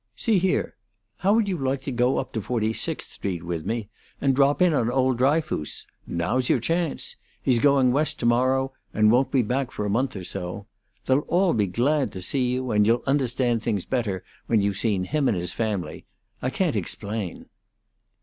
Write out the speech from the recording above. "See here, how would you like to go up to Forty sixth street with me, and drop in on old Dryfoos? Now's your chance. He's going West tomorrow, and won't be back for a month or so. They'll all be glad to see you, and you'll understand things better when you've seen him and his family. I can't explain."